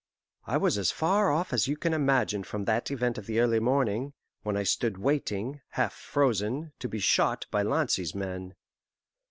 I was as far off as you can imagine from that event of the early morning, when I stood waiting, half frozen, to be shot by Lancy's men.